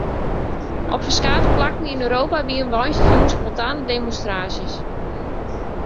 Op ferskate plakken yn Europa wiene woansdeitejûn spontane demonstraasjes.